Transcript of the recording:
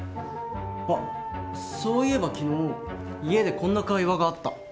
あっそういえば昨日家でこんな会話があった。